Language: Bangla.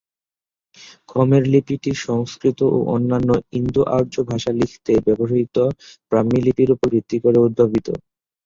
খমের লিপিটি সংস্কৃত ও অন্যান্য ইন্দো-আর্য ভাষা লিখতে ব্যবহৃত ব্রাহ্মী লিপির উপর ভিত্তি করে উদ্ভাবিত।